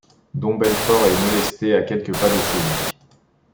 Don Belflor est molesté à quelques pas de chez lui.